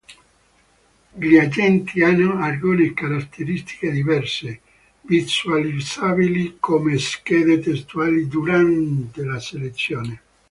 Gli agenti hanno alcune caratteristiche diverse, visualizzabili come schede testuali durante la selezione.